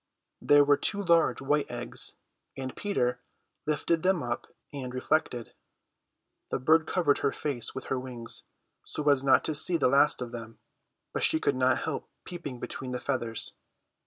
There were two large white eggs, and Peter lifted them up and reflected. The bird covered her face with her wings, so as not to see the last of them; but she could not help peeping between the feathers.